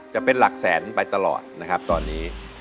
จะเป็นหลักแสนไปตลอดนะครับตอนนี้